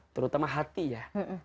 terutama hati ya